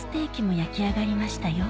焼き上がりましたよ